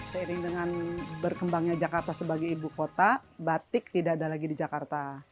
seiring dengan berkembangnya jakarta sebagai ibu kota batik tidak ada lagi di jakarta